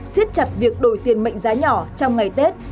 xiết chặt việc đổi tiền mệnh giá nhỏ trong ngày tết